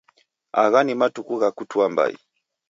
Agha ni matuku gha kutua mbai